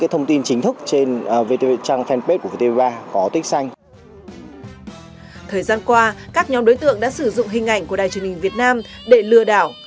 thời gian qua các nhóm đối tượng đã sử dụng hình ảnh của đài truyền hình việt nam để lừa đảo